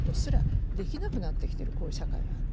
こういう社会がある。